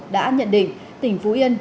đã nhận định tỉnh phú yên